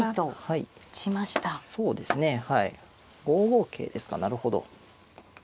５五桂ですかなるほど。